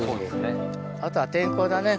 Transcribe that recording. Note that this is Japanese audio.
あとは天候だね。